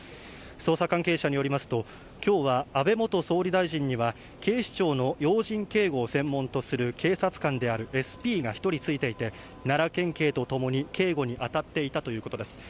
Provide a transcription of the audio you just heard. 捜査関係者によりますと、きょうは安倍元総理大臣には警視庁の要人警護を専門とする警察官であるＳＰが１人付いていて、奈良県警と共に警護に当たっていたということです。